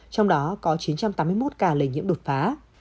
trong đó có chín trăm tám mươi một ca lây nhiễm đột phá